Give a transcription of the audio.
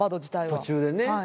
途中でね。